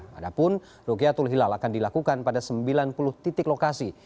padahal rugiatul hilal akan dilakukan pada sembilan puluh titik lokasi